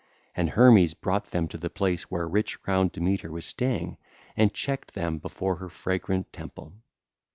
And Hermes brought them to the place where rich crowned Demeter was staying and checked them before her fragrant temple.